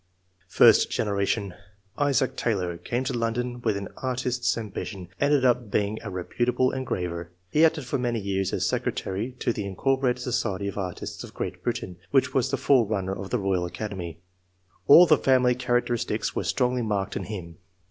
First generation. — Isaac Taylor came to London with an artist's ambition, and ended by being a reputable engraver. He acted for many years as secretary to the Incorporated Society of Artists of Great Britain, which was the forerunner of the Royal Academy. All the I.] ANTECEDENTS, 61 family characteristics were strongly marked in him.